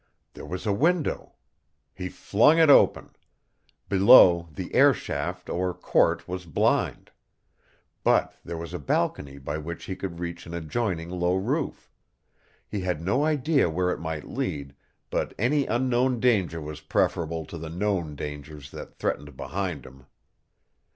There was a window. He flung it open. Below, the air shaft or court was blind. But there was a balcony by which he could reach an adjoining low roof. He had no idea where it might lead, but any unknown danger was preferable to the known dangers that threatened behind him.